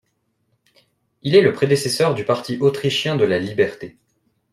Il est le prédécesseur du Parti autrichien de la liberté.